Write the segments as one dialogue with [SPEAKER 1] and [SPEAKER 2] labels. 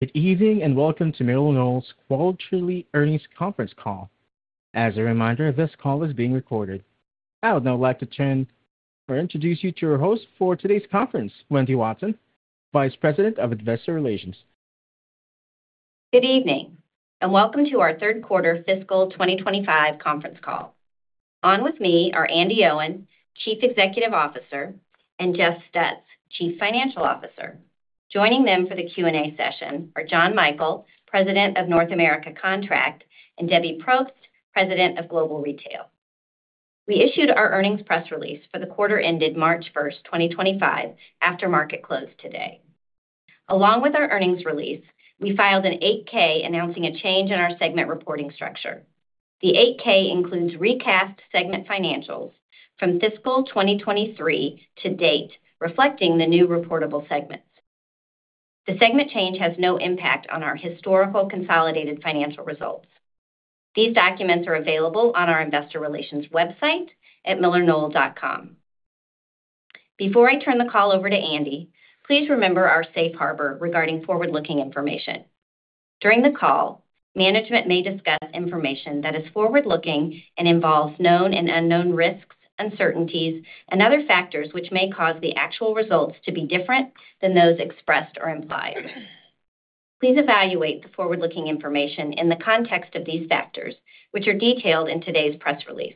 [SPEAKER 1] Good evening and welcome to MillerKnoll's quarterly earnings conference call. As a reminder, this call is being recorded. I would now like to turn or introduce you to our host for today's conference, Wendy Watson, Vice President of Investor Relations.
[SPEAKER 2] Good evening and welcome to our Q3 fiscal 2025 conference call. On with me are Andi Owen, Chief Executive Officer, and Jeff Stutz, Chief Financial Officer. Joining them for the Q&A session are John Michael, President of North America Contract, and Debbie Propst, President of Global Retail. We issued our earnings press release for the quarter ended March 1, 2025, after market close today. Along with our earnings release, we filed an 8-K announcing a change in our segment reporting structure. The 8-K includes recast segment financials from fiscal 2023 to date, reflecting the new reportable segments. The segment change has no impact on our historical consolidated financial results. These documents are available on our Investor Relations website at millerknoll.com. Before I turn the call over to Andi, please remember our safe harbor regarding forward-looking information. During the call, management may discuss information that is forward-looking and involves known and unknown risks, uncertainties, and other factors which may cause the actual results to be different than those expressed or implied. Please evaluate the forward-looking information in the context of these factors, which are detailed in today's press release.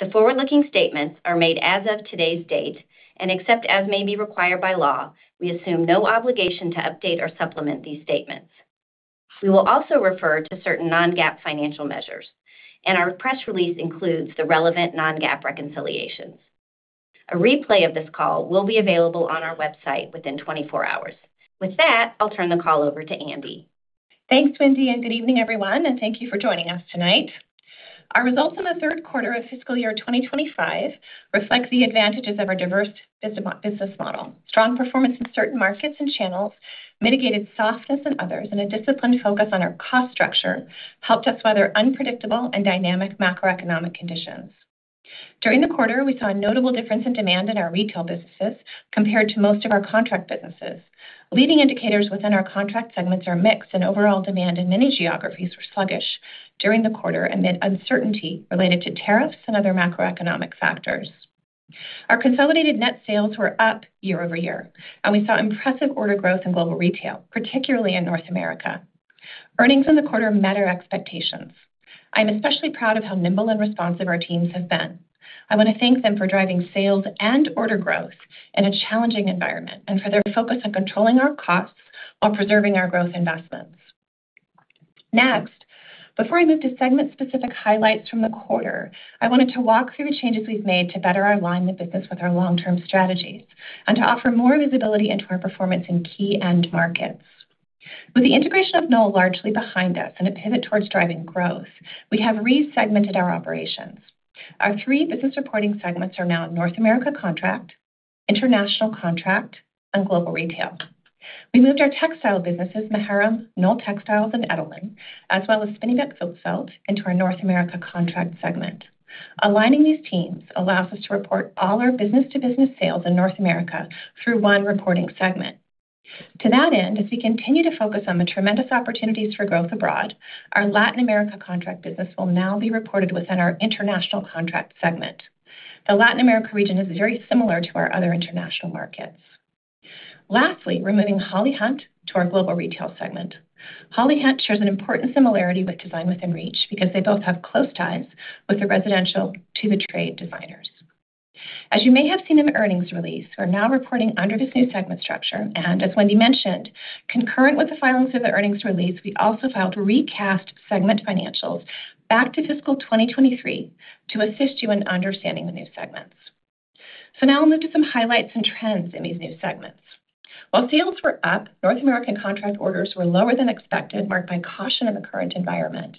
[SPEAKER 2] The forward-looking statements are made as of today's date and, except as may be required by law, we assume no obligation to update or supplement these statements. We will also refer to certain non-GAAP financial measures, and our press release includes the relevant non-GAAP reconciliation. A replay of this call will be available on our website within 24 hours. With that, I'll turn the call over to Andi.
[SPEAKER 3] Thanks, Wendy, and good evening, everyone, and thank you for joining us tonight. Our results in the Q3 of fiscal year 2025 reflect the advantages of our diverse business model. Strong performance in certain markets and channels, mitigated softness in others, and a disciplined focus on our cost structure helped us weather unpredictable and dynamic macroeconomic conditions. During the quarter, we saw a notable difference in demand in our retail businesses compared to most of our contract businesses. Leading indicators within our contract segments are mixed, and overall demand in many geographies was sluggish during the quarter amid uncertainty related to tariffs and other macroeconomic factors. Our consolidated net sales were up year-over-year, and we saw impressive order growth in global retail, particularly in North America. Earnings in the quarter met our expectations. I'm especially proud of how nimble and responsive our teams have been. I want to thank them for driving sales and order growth in a challenging environment and for their focus on controlling our costs while preserving our growth investments. Next, before I move to segment-specific highlights from the quarter, I wanted to walk through the changes we've made to better align the business with our long-term strategies and to offer more visibility into our performance in key end markets. With the integration of Knoll largely behind us and a pivot towards driving growth, we have resegmented our operations. Our three business reporting segments are now North America Contract, International Contract, and Global Retail. We moved our textile businesses to HBF, Knoll Textiles, and Edelman, as well as spinning up Spinneybeck into our North America Contract segment. Aligning these teams allows us to report all our business-to-business sales in North America through one reporting segment. To that end, as we continue to focus on the tremendous opportunities for growth abroad, our Latin America Contract business will now be reported within our International Contract segment. The Latin America region is very similar to our other international markets. Lastly, we're moving Holly Hunt to our global retail segment. Holly Hunt shows an important similarity with Design Within Reach because they both have close ties with the residential to the trade designers. As you may have seen in the earnings release, we're now reporting under this new segment structure, and as Wendy mentioned, concurrent with the filings in the earnings release, we also filed recast segment financials back to fiscal 2023 to assist you in understanding the new segments. Now I'll move to some highlights and trends in these new segments. While sales were up, North American contract orders were lower than expected, marked by caution in the current environment.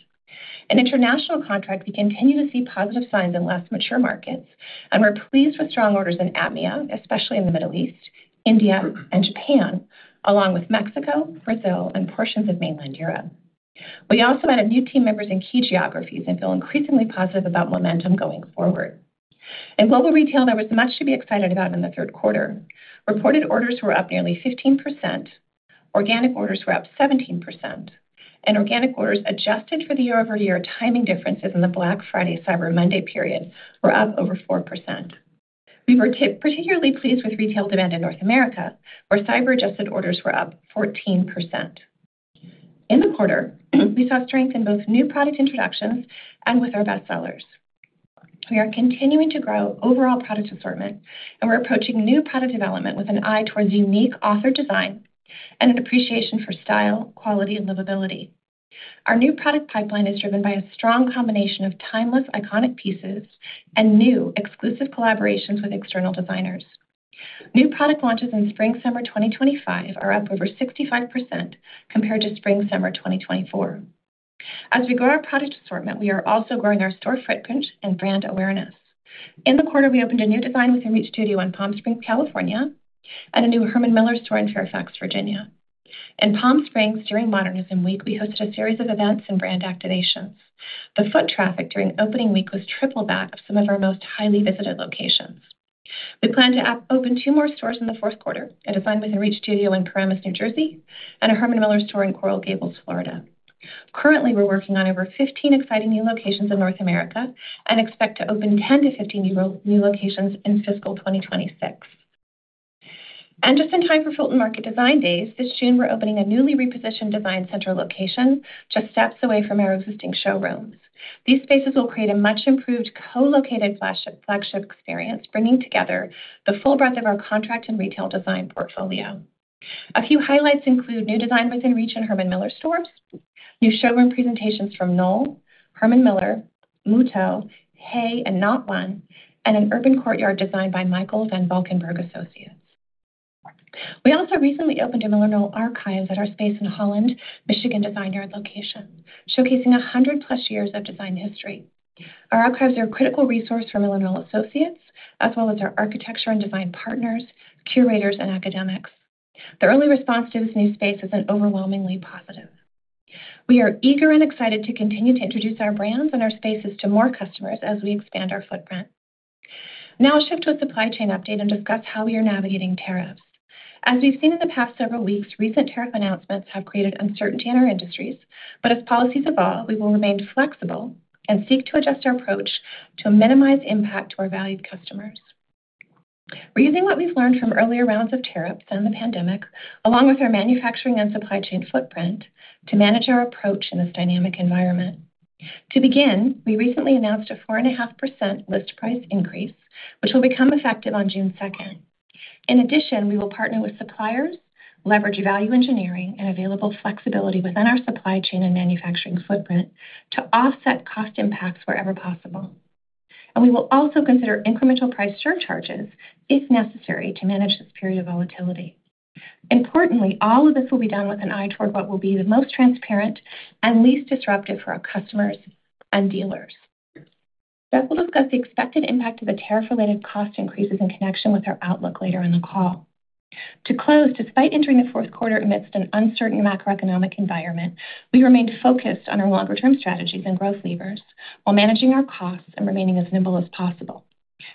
[SPEAKER 3] In international contract, we continue to see positive signs in less mature markets, and we're pleased with strong orders in APMEA, especially in the Middle East, India, and Japan, along with Mexico, Brazil, and portions of mainland Europe. We also had a few key members in key geographies and feel increasingly positive about momentum going forward. In global retail, there was much to be excited about in the Q3. Reported orders were up nearly 15%, organic orders were up 17%, and organic orders adjusted for the year-over-year timing differences in the Black Friday Cyber Monday period were up over 4%. We were particularly pleased with retail demand in North America, where cyber-adjusted orders were up 14%. In the quarter, we saw strength in both new product introductions and with our best sellers. We are continuing to grow overall product assortment, and we're approaching new product development with an eye towards unique author design and an appreciation for style, quality, and livability. Our new product pipeline is driven by a strong combination of timeless iconic pieces and new exclusive collaborations with external designers. New product launches in Spring/Summer 2025 are up over 65% compared to Spring/Summer 2024. As we grow our product assortment, we are also growing our store footprint and brand awareness. In the quarter, we opened a new Design Within Reach Studio in Palm Springs, California, and a new Herman Miller store in Fairfax, Virginia. In Palm Springs, during Modernism Week, we hosted a series of events and brand activations. The foot traffic during opening week was tripled back at some of our most highly visited locations. We plan to open two more stores in the Q4: a Design Within Reach Studio in Paramus, New Jersey, and a Herman Miller store in Coral Gables, Florida. Currently, we're working on over 15 exciting new locations in North America and expect to open 10-15 new locations in fiscal 2026. Just in time for Fulton Market Design Days, this June we're opening a newly repositioned Design Center location just steps away from our existing showrooms. These spaces will create a much-improved co-located flagship experience, bringing together the full breadth of our contract and retail design portfolio. A few highlights include new Design Within Reach and Herman Miller stores, new showroom presentations from Knoll, Herman Miller, Muuto, Hay, and NaughtOne, and an urban courtyard designed by Michael Van Valkenburgh Associates. We also recently opened a MillerKnoll Archives at our space in Holland, Michigan, Design Yard location, showcasing 100-plus years of design history. Our archives are a critical resource for MillerKnoll Associates, as well as our architecture and design partners, curators, and academics. The early response to this new space has been overwhelmingly positive. We are eager and excited to continue to introduce our brands and our spaces to more customers as we expand our footprint. Now I'll shift to a supply chain update and discuss how we are navigating tariffs. As we've seen in the past several weeks, recent tariff announcements have created uncertainty in our industries. As policies evolve, we will remain flexible and seek to adjust our approach to minimize impact to our valued customers. We're using what we've learned from earlier rounds of tariffs and the pandemic, along with our manufacturing and supply chain footprint, to manage our approach in this dynamic environment. To begin, we recently announced a 4.5% list price increase, which will become effective on June 2. In addition, we will partner with suppliers, leverage value engineering, and available flexibility within our supply chain and manufacturing footprint to offset cost impacts wherever possible. We will also consider incremental price surcharges if necessary to manage this period of volatility. Importantly, all of this will be done with an eye toward what will be the most transparent and least disruptive for our customers and dealers. Jeff will discuss the expected impact of the tariff-related cost increases in connection with our outlook later in the call. To close, despite entering the Q4 amidst an uncertain macroeconomic environment, we remained focused on our longer-term strategies and growth levers while managing our costs and remaining as nimble as possible.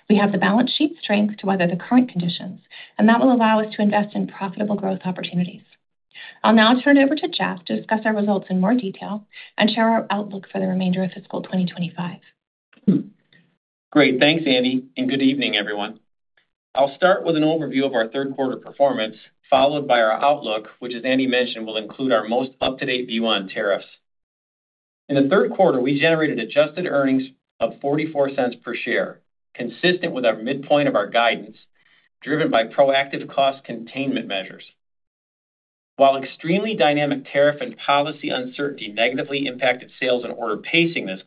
[SPEAKER 3] We have the balance sheet strength to weather the current conditions, and that will allow us to invest in profitable growth opportunities. I'll now turn it over to Jeff to discuss our results in more detail and share our outlook for the remainder of fiscal 2025.
[SPEAKER 4] Great. Thanks, Andi. Good evening, everyone. I'll start with an overview of our Q3 performance, followed by our outlook, which, as Andi mentioned, will include our most up-to-date view on tariffs. In the Q3, we generated adjusted earnings of $0.44 per share, consistent with our midpoint of our guidance, driven by proactive cost containment measures. While extremely dynamic tariff and policy uncertainty negatively impacted sales and order pacing this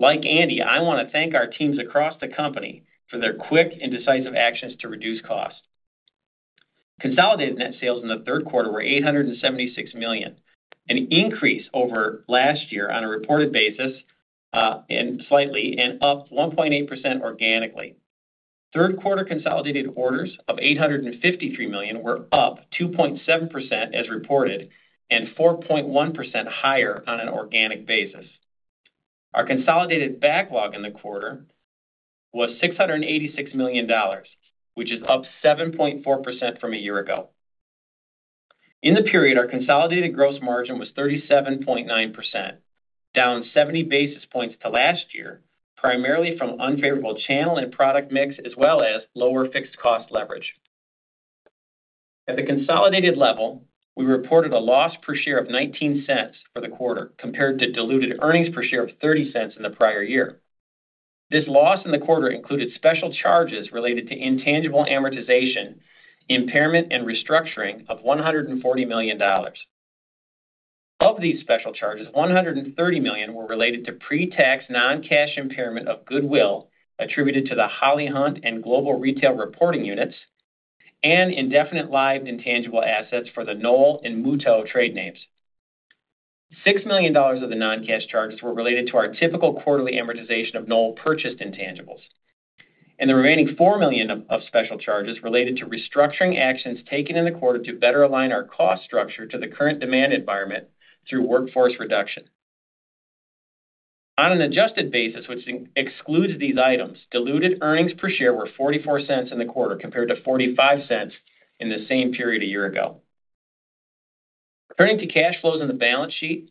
[SPEAKER 4] quarter, like Andi, I want to thank our teams across the company for their quick and decisive actions to reduce costs. Consolidated net sales in the Q3 were $876 million, an increase over last year on a reported basis and slightly up 1.8% organically. Q3 consolidated orders of $853 million were up 2.7% as reported and 4.1% higher on an organic basis. Our consolidated backlog in the quarter was $686 million, which is up 7.4% from a year ago. In the period, our consolidated gross margin was 37.9%, down 70 basis points to last year, primarily from unfavorable channel and product mix, as well as lower fixed cost leverage. At the consolidated level, we reported a loss per share of $0.19 for the quarter compared to diluted earnings per share of $0.30 in the prior year. This loss in the quarter included special charges related to intangible amortization, impairment, and restructuring of $140 million. Of these special charges, $130 million were related to pre-tax non-cash impairment of goodwill attributed to the Holly Hunt and Global Retail Reporting Units and indefinite live intangible assets for the Knoll and Muuto trade names. $6 million of the non-cash charges were related to our typical quarterly amortization of Knoll purchased intangibles. The remaining $4 million of special charges related to restructuring actions taken in the quarter to better align our cost structure to the current demand environment through workforce reduction. On an adjusted basis, which excludes these items, diluted earnings per share were $0.44 in the quarter compared to $0.45 in the same period a year ago. Turning to cash flows on the balance sheet,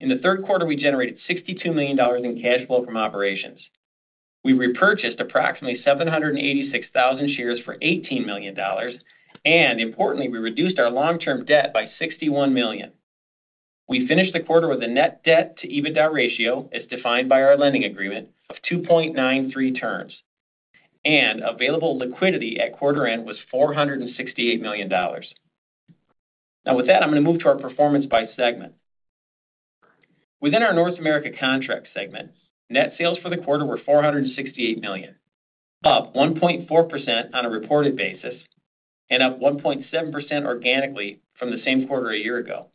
[SPEAKER 4] in the Q3, we generated $62 million in cash flow from operations. We repurchased approximately 786,000 shares for $18 million, and importantly, we reduced our long-term debt by $61 million. We finished the quarter with a net debt-to-EBITDA ratio as defined by our lending agreement of 2.93, and available liquidity at quarter end was $468 million. Now, with that, I'm going to move to our performance by segment. Within our North America Contract segment, net sales for the quarter were $468 million, up 1.4% on a reported basis and up 1.7% organically from the same quarter a year ago.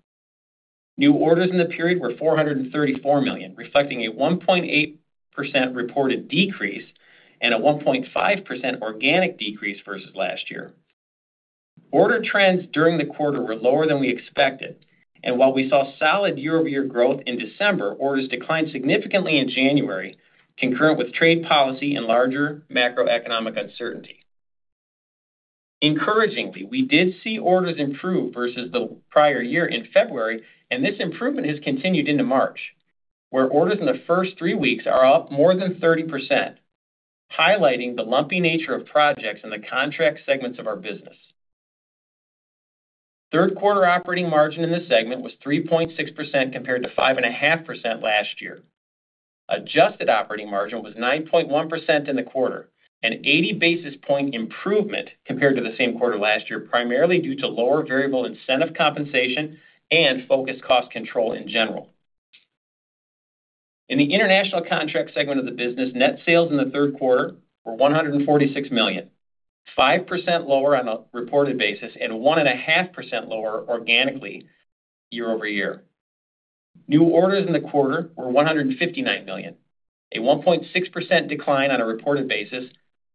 [SPEAKER 4] New orders in the period were $434 million, reflecting a 1.8% reported decrease and a 1.5% organic decrease versus last year. Order trends during the quarter were lower than we expected, and while we saw solid year-over-year growth in December, orders declined significantly in January, concurrent with trade policy and larger macroeconomic uncertainty. Encouragingly, we did see orders improve versus the prior year in February, and this improvement has continued into March, where orders in the first three weeks are up more than 30%, highlighting the lumpy nature of projects in the contract segments of our business. Q3 operating margin in this segment was 3.6% compared to 5.5% last year. Adjusted operating margin was 9.1% in the quarter, an 80 basis point improvement compared to the same quarter last year, primarily due to lower variable incentive compensation and focused cost control in general. In the international contract segment of the business, net sales in the Q3 were $146 million, 5% lower on a reported basis and 1.5% lower organically year-over-year. New orders in the quarter were $159 million, a 1.6% decline on a reported basis,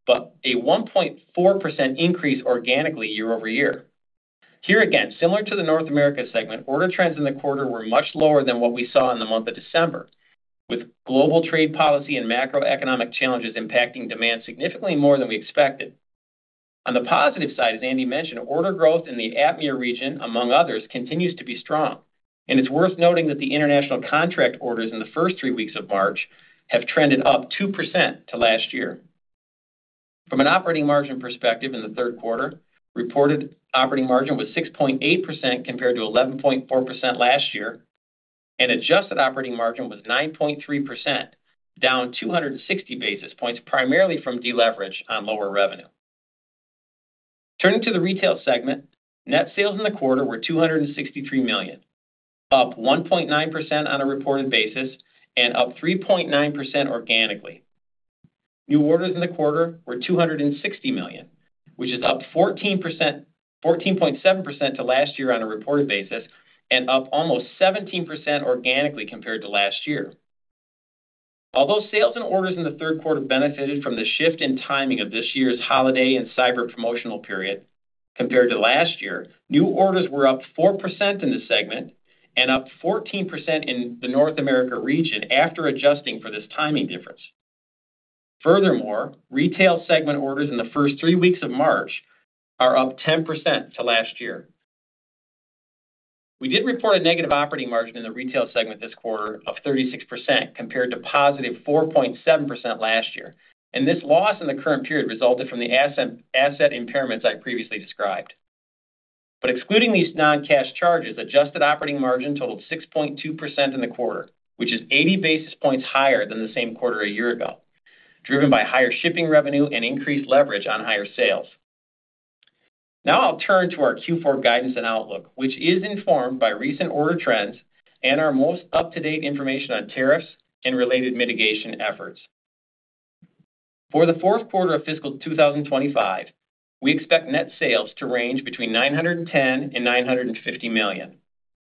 [SPEAKER 4] but a 1.4% increase organically year-over-year. Here again, similar to the North America segment, order trends in the quarter were much lower than what we saw in the month of December, with global trade policy and macroeconomic challenges impacting demand significantly more than we expected. On the positive side, as Andi mentioned, order growth in the APMEA region, among others, continues to be strong. It is worth noting that the international contract orders in the first three weeks of March have trended up 2% to last year. From an operating margin perspective in the Q3, reported operating margin was 6.8% compared to 11.4% last year, and adjusted operating margin was 9.3%, down 260 basis points, primarily from deleverage on lower revenue. Turning to the retail segment, net sales in the quarter were $263 million, up 1.9% on a reported basis and up 3.9% organically. New orders in the quarter were $260 million, which is up 14.7% to last year on a reported basis and up almost 17% organically compared to last year. Although sales and orders in the Q3 benefited from the shift in timing of this year's holiday and cyber promotional period compared to last year, new orders were up 4% in the segment and up 14% in the North America region after adjusting for this timing difference. Furthermore, retail segment orders in the first three weeks of March are up 10% to last year. We did report a negative operating margin in the retail segment this quarter of -36% compared to positive 4.7% last year, and this loss in the current period resulted from the asset impairments I previously described. Excluding these non-cash charges, adjusted operating margin totaled 6.2% in the quarter, which is 80 basis points higher than the same quarter a year ago, driven by higher shipping revenue and increased leverage on higher sales. Now I'll turn to our Q4 guidance and outlook, which is informed by recent order trends and our most up-to-date information on tariffs and related mitigation efforts. For the Q4 of fiscal 2025, we expect net sales to range between $910 million and $950 million,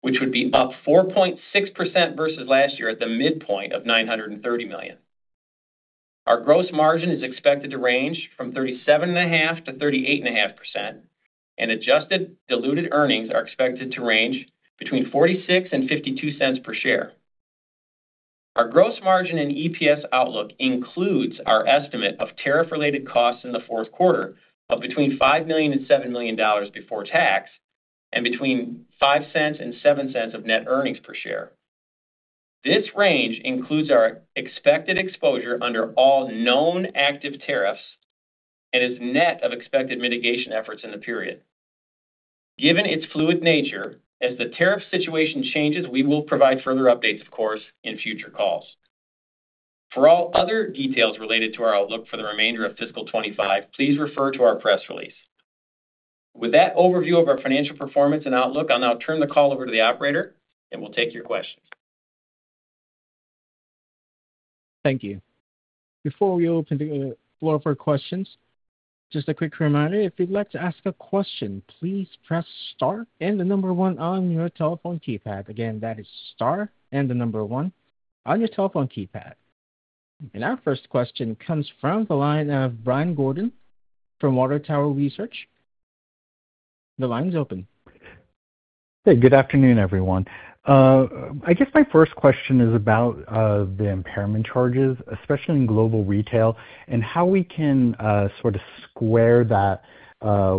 [SPEAKER 4] which would be up 4.6% versus last year at the midpoint of $930 million. Our gross margin is expected to range from 37.5% to 38.5%, and adjusted diluted earnings are expected to range between $0.46 and $0.52 per share. Our gross margin and EPS outlook includes our estimate of tariff-related costs in the Q4 of between $5 million and $7 million before tax and between $0.05 and $0.07 of net earnings per share. This range includes our expected exposure under all known active tariffs and is net of expected mitigation efforts in the period. Given its fluid nature, as the tariff situation changes, we will provide further updates, of course, in future calls. For all other details related to our outlook for the remainder of fiscal 2025, please refer to our press release. With that overview of our financial performance and outlook, I'll now turn the call over to the operator, and we'll take your questions.
[SPEAKER 1] Thank you. Before we open the floor for questions, just a quick reminder, if you'd like to ask a question, please press Star and the number one on your telephone keypad. Again, that is Star and the number one on your telephone keypad. Our first question comes from the line of Brian Gordon from Water Tower Research. The line is open.
[SPEAKER 5] Hey, good afternoon, everyone. I guess my first question is about the impairment charges, especially in global retail, and how we can sort of square that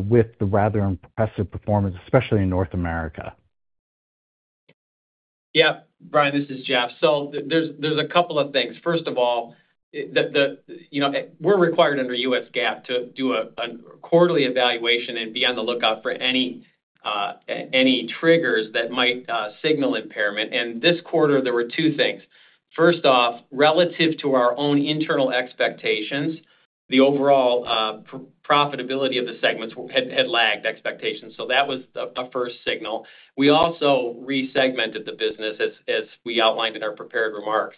[SPEAKER 5] with the rather impressive performance, especially in North America.
[SPEAKER 4] Yeah, Brian, this is Jeff. There are a couple of things. First of all, we're required under US GAAP to do a quarterly evaluation and be on the lookout for any triggers that might signal impairment. This quarter, there were two things. First off, relative to our own internal expectations, the overall profitability of the segments had lagged expectations. That was a first signal. We also resegmented the business, as we outlined in our prepared remarks.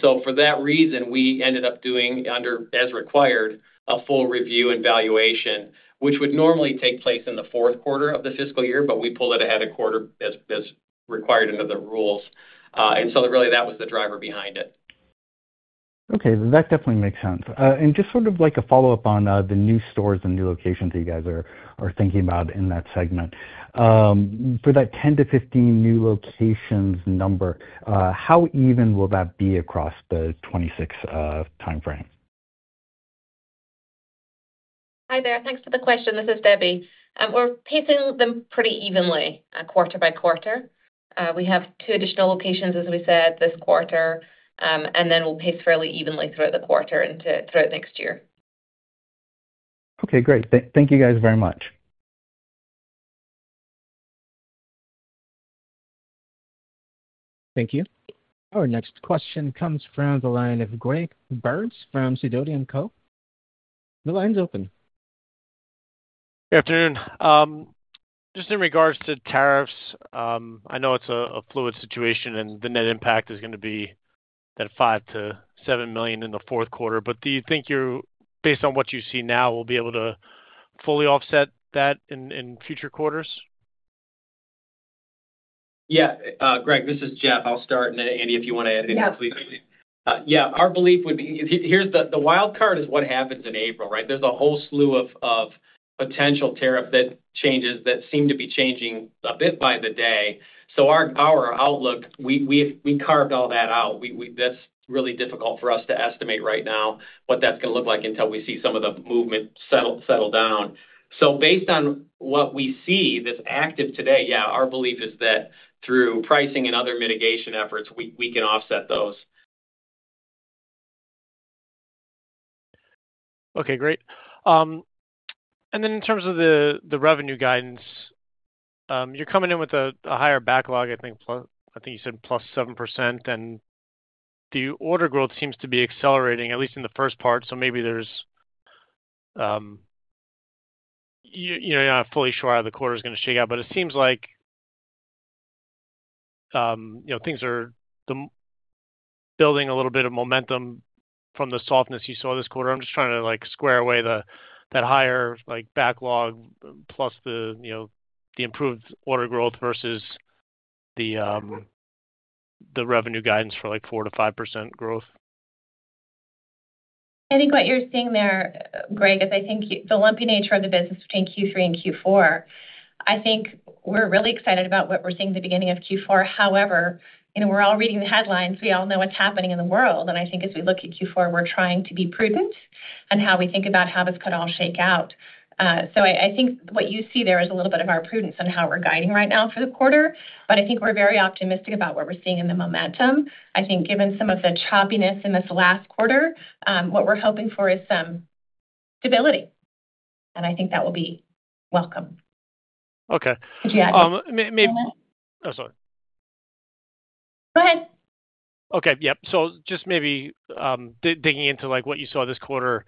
[SPEAKER 4] For that reason, we ended up doing, as required, a full review and valuation, which would normally take place in the Q4 of the fiscal year, but we pulled it ahead a quarter as required under the rules. That was the driver behind it.
[SPEAKER 5] Okay, that definitely makes sense. Just sort of like a follow-up on the new stores and new locations that you guys are thinking about in that segment. For that 10 to 15 new locations number, how even will that be across the 2026 timeframe?
[SPEAKER 6] Hi there. Thanks for the question. This is Debbie. We're pacing them pretty evenly quarter by quarter. We have two additional locations, as we said, this quarter, and then we'll pace fairly evenly throughout the quarter and throughout next year.
[SPEAKER 5] Okay, great. Thank you guys very much.
[SPEAKER 1] Thank you. Our next question comes from the line of Greg Burns from Sidoti & Co. The line's open.
[SPEAKER 7] Good afternoon. Just in regards to tariffs, I know it's a fluid situation and the net impact is going to be that $5-$7 million in the Q4. Do you think you're, based on what you see now, will be able to fully offset that in future quarters?
[SPEAKER 4] Yeah, Greg, this is Jeff. I'll start, and Andi, if you want to add anything, please. Yeah, our belief would be, here's the wild card is what happens in April, right? There's a whole slew of potential tariff changes that seem to be changing a bit by the day. Our outlook, we carved all that out. That's really difficult for us to estimate right now what that's going to look like until we see some of the movement settle down. Based on what we see that's active today, yeah, our belief is that through pricing and other mitigation efforts, we can offset those.
[SPEAKER 7] Okay, great. In terms of the revenue guidance, you're coming in with a higher backlog, I think you said plus 7%, and the order growth seems to be accelerating, at least in the first part. Maybe there's, you're not fully sure how the quarter is going to shake out, but it seems like things are building a little bit of momentum from the softness you saw this quarter. I'm just trying to square away that higher backlog plus the improved order growth versus the revenue guidance for like 4-5% growth.
[SPEAKER 3] I think what you're seeing there, Greg, is the lumpy nature of the business between Q3 and Q4. I think we're really excited about what we're seeing at the beginning of Q4. However, we're all reading the headlines. We all know what's happening in the world. I think as we look at Q4, we're trying to be prudent on how we think about how this could all shake out. I think what you see there is a little bit of our prudence on how we're guiding right now for the quarter. I think we're very optimistic about what we're seeing in the momentum. I think given some of the choppiness in this last quarter, what we're hoping for is stability. I think that will be welcome.
[SPEAKER 7] Okay.
[SPEAKER 3] Yeah.
[SPEAKER 7] Maybe. Oh, sorry.
[SPEAKER 3] Go ahead.
[SPEAKER 7] Okay, yep. Just maybe digging into what you saw this quarter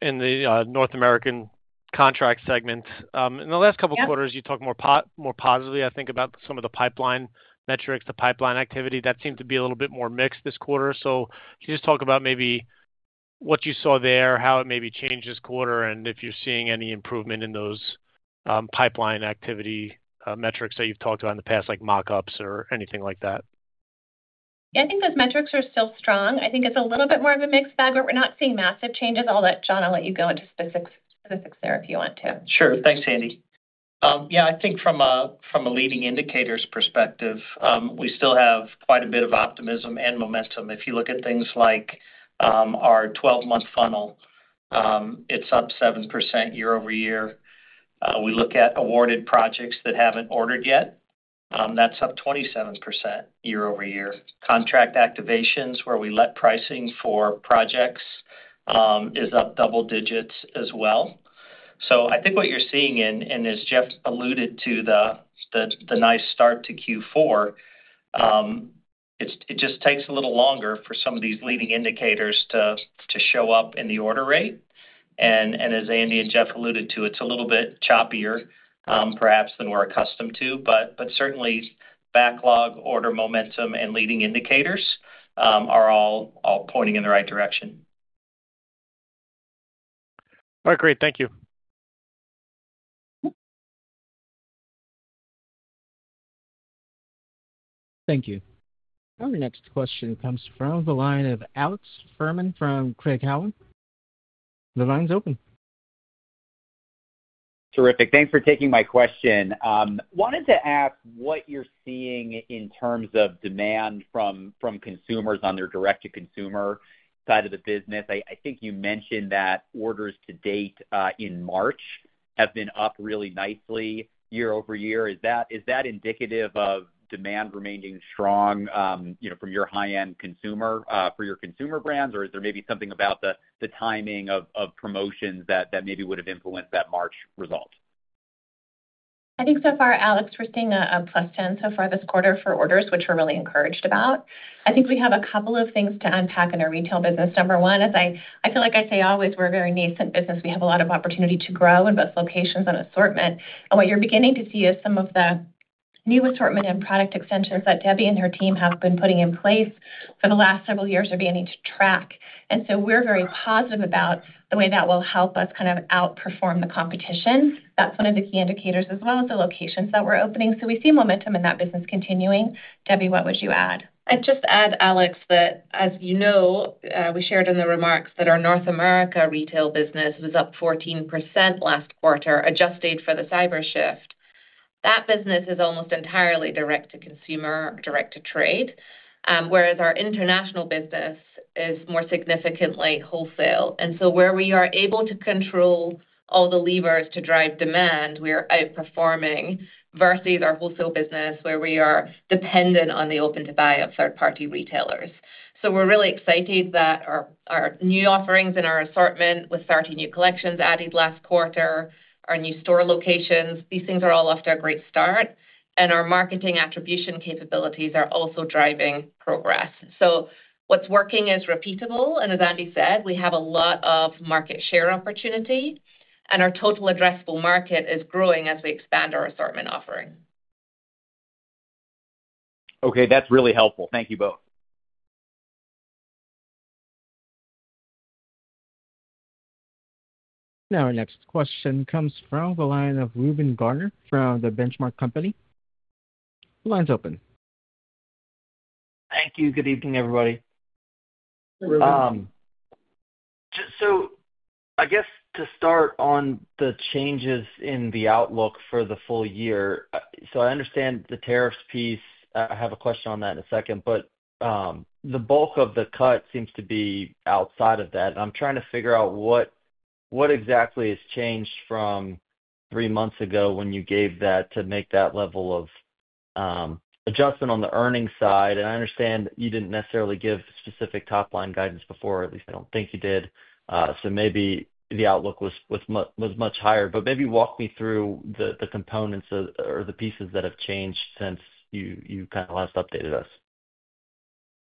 [SPEAKER 7] in the North American contract segment. In the last couple of quarters, you talked more positively, I think, about some of the pipeline metrics, the pipeline activity. That seemed to be a little bit more mixed this quarter. Can you just talk about maybe what you saw there, how it maybe changed this quarter, and if you're seeing any improvement in those pipeline activity metrics that you've talked about in the past, like mock-ups or anything like that?
[SPEAKER 3] Yeah, I think those metrics are still strong. I think it's a little bit more of a mixed bag, but we're not seeing massive changes all that. John, I'll let you go into specifics there if you want to.
[SPEAKER 7] Sure. Thanks, Andi.
[SPEAKER 8] Yeah, I think from a leading indicators perspective, we still have quite a bit of optimism and momentum. If you look at things like our 12-month funnel, it's up 7% year-over-year. We look at awarded projects that haven't ordered yet. That's up 27% year-over-year. Contract activations, where we let pricing for projects, is up double digits as well. I think what you're seeing, and as Jeff alluded to, the nice start to Q4, it just takes a little longer for some of these leading indicators to show up in the order rate. As Andi and Jeff alluded to, it's a little bit choppier, perhaps, than we're accustomed to. Certainly, backlog, order momentum, and leading indicators are all pointing in the right direction.
[SPEAKER 7] All right, great. Thank you.
[SPEAKER 1] Thank you. Our next question comes from the line of Alex Fuhrman from Craig-Hallum. The line's open.
[SPEAKER 9] Terrific. Thanks for taking my question. Wanted to ask what you're seeing in terms of demand from consumers on their direct-to-consumer side of the business. I think you mentioned that orders to date in March have been up really nicely year-over-year. Is that indicative of demand remaining strong from your high-end consumer for your consumer brands, or is there maybe something about the timing of promotions that maybe would have influenced that March result?
[SPEAKER 3] I think so far, Alex, we're seeing a plus 10% so far this quarter for orders, which we're really encouraged about. I think we have a couple of things to unpack in our retail business. Number one, as I feel like I say always, we're a very nascent business. We have a lot of opportunity to grow in both locations and assortment. What you're beginning to see is some of the new assortment and product extensions that Debbie and her team have been putting in place for the last several years are beginning to track. We are very positive about the way that will help us kind of outperform the competition. That's one of the key indicators as well of the locations that we're opening. We see momentum in that business continuing. Debbie, what would you add?
[SPEAKER 6] I'd just add, Alex, that, as you know, we shared in the remarks that our North America retail business was up 14% last quarter, adjusted for the cyber shift. That business is almost entirely direct-to-consumer, direct-to-trade, whereas our international business is more significantly wholesale. Where we are able to control all the levers to drive demand, we are outperforming versus our wholesale business, where we are dependent on the open-to-buy of third-party retailers. We are really excited that our new offerings in our assortment with 30 new collections added last quarter, our new store locations, these things are all off to a great start. Our marketing attribution capabilities are also driving progress. What's working is repeatable. As Andi said, we have a lot of market share opportunity, and our total addressable market is growing as we expand our assortment offering.
[SPEAKER 9] Okay, that's really helpful. Thank you both.
[SPEAKER 1] Now our next question comes from the line of Reuben Garner from The Benchmark Company. The line's open.
[SPEAKER 10] Thank you. Good evening, everybody. I guess to start on the changes in the outlook for the full year, I understand the tariffs piece. I have a question on that in a second, but the bulk of the cut seems to be outside of that. I'm trying to figure out what exactly has changed from three months ago when you gave that to make that level of adjustment on the earnings side. I understand you didn't necessarily give specific top-line guidance before, or at least I don't think you did. Maybe the outlook was much higher. Maybe walk me through the components or the pieces that have changed since you kind of last updated us.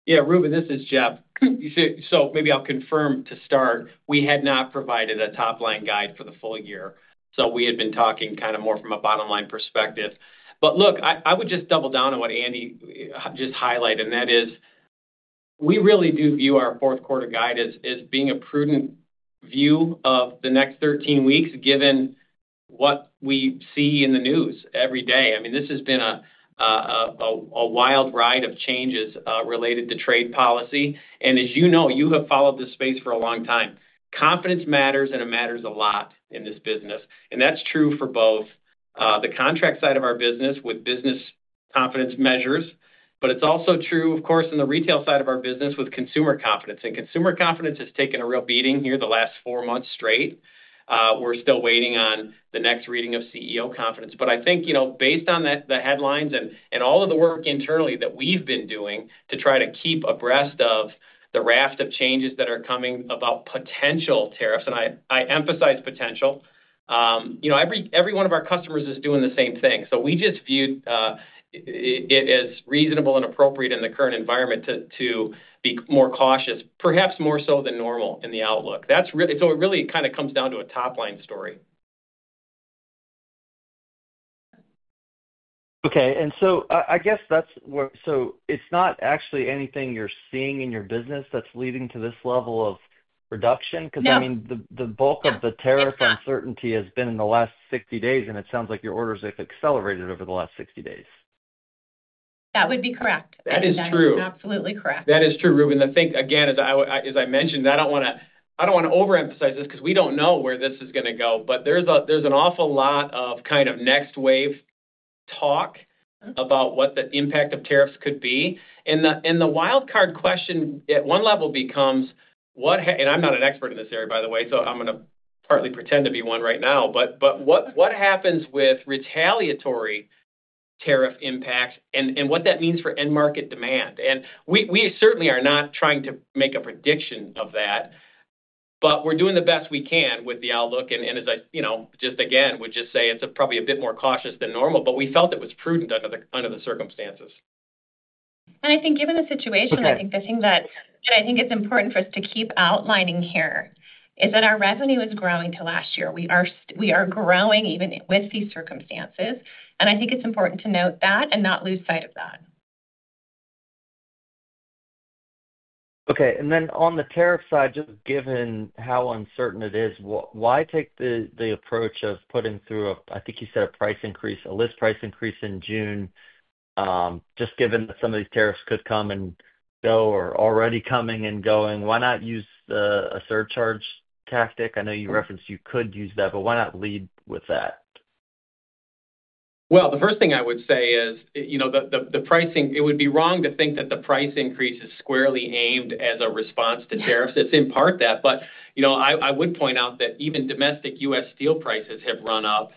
[SPEAKER 4] Yeah, Reuben, this is Jeff. Maybe I'll confirm to start, we had not provided a top-line guide for the full year. We had been talking kind of more from a bottom-line perspective. Look, I would just double down on what Andi just highlighted, and that is we really do view our Q4 guide as being a prudent view of the next 13 weeks given what we see in the news every day. I mean, this has been a wild ride of changes related to trade policy. As you know, you have followed this space for a long time. Confidence matters, and it matters a lot in this business. That is true for both the contract side of our business with business confidence measures, but it is also true, of course, in the retail side of our business with consumer confidence. Consumer confidence has taken a real beating here the last four months straight. We're still waiting on the next reading of CEO confidence. I think based on the headlines and all of the work internally that we've been doing to try to keep abreast of the raft of changes that are coming about potential tariffs, and I emphasize potential, every one of our customers is doing the same thing. We just viewed it as reasonable and appropriate in the current environment to be more cautious, perhaps more so than normal in the outlook. It really kind of comes down to a top-line story.
[SPEAKER 10] Okay. I guess that's where, so it's not actually anything you're seeing in your business that's leading to this level of reduction? Because, I mean, the bulk of the tariff uncertainty has been in the last 60 days, and it sounds like your orders have accelerated over the last 60 days.
[SPEAKER 3] That would be correct.
[SPEAKER 4] That is true.
[SPEAKER 3] That is absolutely correct.
[SPEAKER 4] That is true, Reuben. I think, again, as I mentioned, I do not want to overemphasize this because we do not know where this is going to go, but there is an awful lot of kind of next wave talk about what the impact of tariffs could be. The wild card question at one level becomes, and I am not an expert in this area, by the way, so I am going to partly pretend to be one right now, but what happens with retaliatory tariff impacts and what that means for end market demand? We certainly are not trying to make a prediction of that, but we are doing the best we can with the outlook. As I just, again, would just say it is probably a bit more cautious than normal, but we felt it was prudent under the circumstances.
[SPEAKER 3] I think given the situation, I think the thing that I think it's important for us to keep outlining here is that our revenue is growing to last year. We are growing even with these circumstances. I think it's important to note that and not lose sight of that.
[SPEAKER 10] Okay. On the tariff side, just given how uncertain it is, why take the approach of putting through, I think you said a price increase, a list price increase in June, just given that some of these tariffs could come and go or already coming and going? Why not use the surcharge tactic? I know you referenced you could use that, but why not lead with that?
[SPEAKER 4] The first thing I would say is the pricing, it would be wrong to think that the price increase is squarely aimed as a response to tariffs. It's in part that, but I would point out that even domestic U.S. steel prices have run up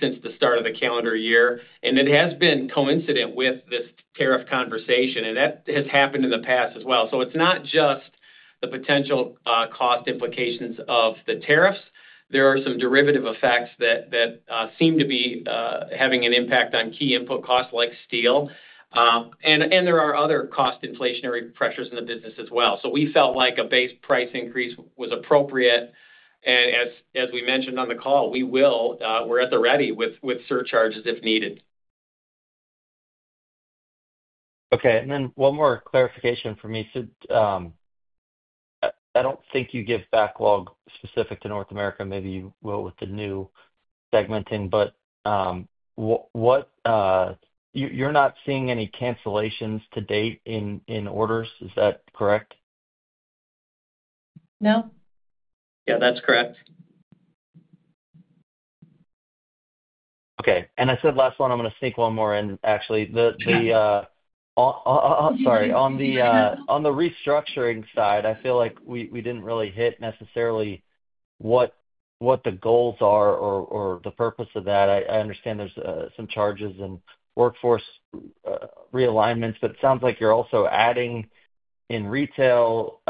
[SPEAKER 4] since the start of the calendar year, and it has been coincident with this tariff conversation. That has happened in the past as well. It's not just the potential cost implications of the tariffs. There are some derivative effects that seem to be having an impact on key input costs like steel. There are other cost inflationary pressures in the business as well. We felt like a base price increase was appropriate. As we mentioned on the call, we are at the ready with surcharges if needed.
[SPEAKER 10] Okay. One more clarification for me. I do not think you give backlog specific to North America. Maybe you will with the new segmenting. You are not seeing any cancellations to date in orders. Is that correct?
[SPEAKER 3] No.
[SPEAKER 4] Yeah, that's correct.
[SPEAKER 10] Okay. I said last one, I'm going to sneak one more in, actually. Oh, sorry. On the restructuring side, I feel like we didn't really hit necessarily what the goals are or the purpose of that. I understand there's some charges and workforce realignments, but it sounds like you're also adding in retail.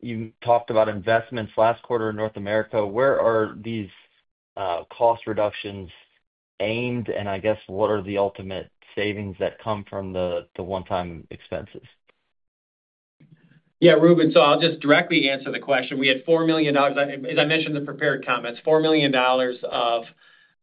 [SPEAKER 10] You talked about investments last quarter in North America. Where are these cost reductions aimed? I guess, what are the ultimate savings that come from the one-time expenses?
[SPEAKER 4] Yeah, Reuben, so I'll just directly answer the question. We had $4 million, as I mentioned in the prepared comments, $4 million of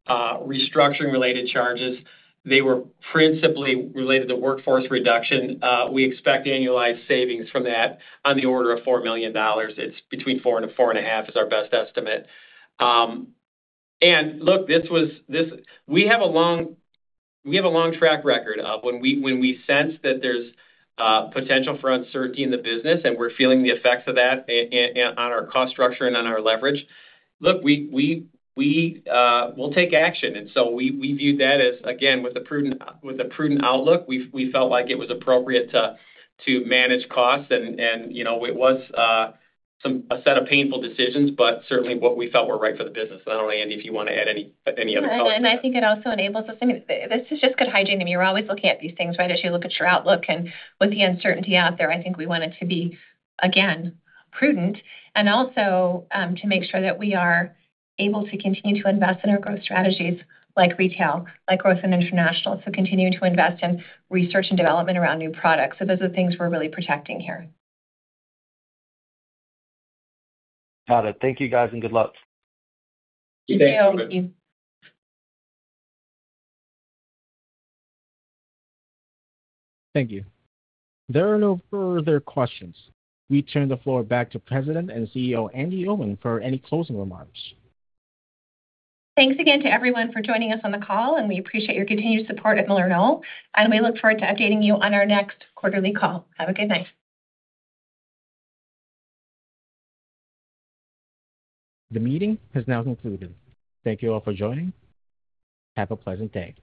[SPEAKER 4] restructuring-related charges. They were principally related to workforce reduction. We expect annualized savings from that on the order of $4 million. It's between $4 million and $4.5 million is our best estimate. Look, we have a long track record of when we sense that there's potential for uncertainty in the business and we're feeling the effects of that on our cost structure and on our leverage, look, we'll take action. We viewed that as, again, with the prudent outlook, we felt like it was appropriate to manage costs. It was a set of painful decisions, but certainly what we felt were right for the business, not only. Andi, if you want to add any other comments.
[SPEAKER 3] I think it also enables us, and this is just good hygiene, and you're always looking at these things, right, as you look at your outlook. With the uncertainty out there, I think we wanted to be, again, prudent and also to make sure that we are able to continue to invest in our growth strategies like retail, like growth in international, to continue to invest in research and development around new products. Those are the things we're really protecting here.
[SPEAKER 10] Got it. Thank you, guys, and good luck.
[SPEAKER 3] Thank you.
[SPEAKER 1] Thank you. There are no further questions. We turn the floor back to President and CEO Andi Owen for any closing remarks.
[SPEAKER 3] Thanks again to everyone for joining us on the call, and we appreciate your continued support at MillerKnoll. We look forward to updating you on our next quarterly call. Have a good night.
[SPEAKER 1] The meeting has now concluded. Thank you all for joining. Have a pleasant day.